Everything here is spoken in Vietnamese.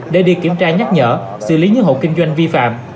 để đi kiểm tra nhắc nhở xử lý những hộ kinh doanh vi phạm